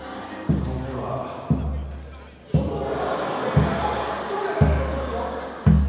「その手」は「そ」で始まってますよ。